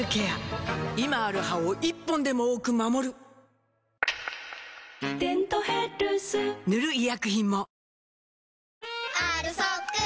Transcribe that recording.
今ある歯を１本でも多く守る「デントヘルス」塗る医薬品も